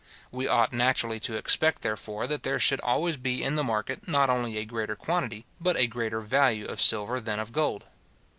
We ought naturally to expect, therefore, that there should always be in the market, not only a greater quantity, but a greater value of silver than of gold.